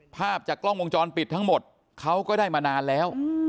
ภาพจากกล้องวงจรปิดทั้งหมดเขาก็ได้มานานแล้ว